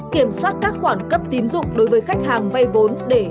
kiểm soát các khoản cấp tín dụng đối với khách hàng vay vốn để